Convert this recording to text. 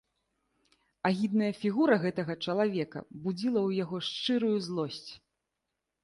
Агідная фігура гэтага чалавека будзіла ў яго шчырую злосць.